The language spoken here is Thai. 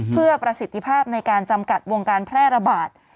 เพื่อประสิทธิภาพในการจำกัดวงการแพร่ระบาด